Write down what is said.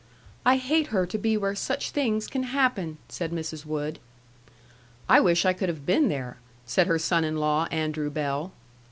"I hate her to be where such things can happen," said Mrs. Wood. "I wish I could have been there," said her son in law, Andrew Bell.